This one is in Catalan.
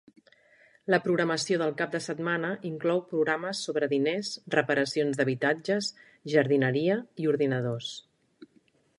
La programació del cap de setmana inclou programes sobre diners, reparacions d'habitatges, jardineria i ordinadors.